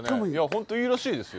本当いいらしいですよ。